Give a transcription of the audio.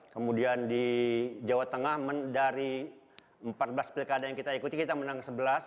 kemudian di jawa tengah dari empat belas pilkada yang kita ikuti kita menang sebelas